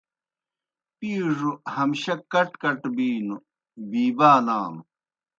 پِیڙوْ ہمشہ کٹ کٹ بِینوْ بِیبانانوْ۔